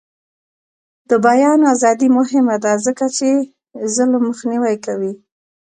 د بیان ازادي مهمه ده ځکه چې ظلم مخنیوی کوي.